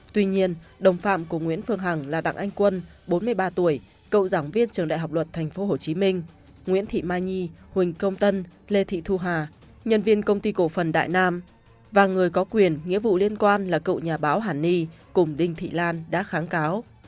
tuy nhiên đồng phạm của nguyễn phương hằng là đặng anh quân bốn mươi ba tuổi cựu giảng viên trường đại học luật tp hcm nguyễn thị mai nhi huỳnh công tân lê thị thu hà nhân viên công ty cổ phần đại nam và người có quyền nghĩa vụ liên quan là cậu nhà báo hàn ni cùng đinh thị lan đã kháng cáo